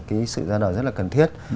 cái sự ra đời rất là cần thiết